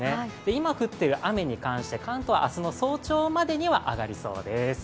今降っている雨に関して、関東は明日の早朝までにはやみそうです。